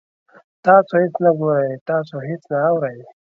تاسو هیڅ نه ګورئ، تاسو هیڅ نه اورئ